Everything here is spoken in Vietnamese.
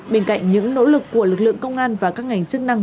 bên cạnh những nỗ lực của lực lượng công an và các ngành chức năng